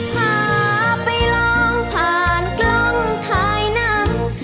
ข้าไปลองทานกล้องทายน้ำ